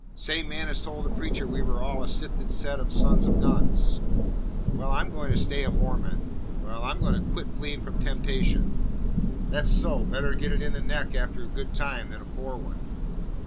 "Same man as told the preacher we were all a sifted set of sons of guns." "Well, I'm going to stay a Mormon." "Well, I'm going to quit fleeing from temptation." "That's so! Better get it in the neck after a good time than a poor one."